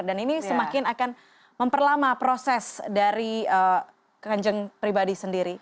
dan ini semakin akan memperlama proses dari keanjeng pribadi sendiri